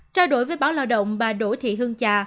trao đổi với báo lao động bà đỗ thị hương trà